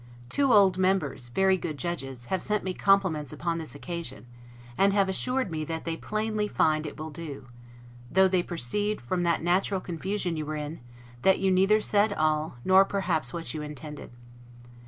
Two old members, very good judges, have sent me compliments upon this occasion; and have assured me that they plainly find it will do; though they perceived, from that natural confusion you were in, that you neither said all, nor perhaps what you intended.